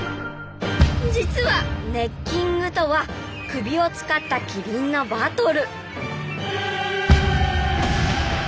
実は「ネッキング」とは首を使ったキリンのバトル。